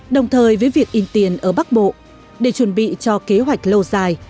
đồng thời với việc in tiền ở bắc bộ để chuẩn bị cho kế hoạch lâu dài